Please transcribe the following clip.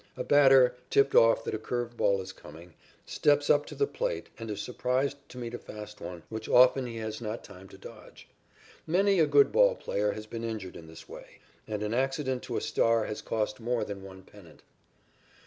A batter, tipped off that a curved ball is coming, steps up to the plate and is surprised to meet a fast one, which often he has not time to dodge. Many a good ball player has been injured in this way, and an accident to a star has cost more than one pennant.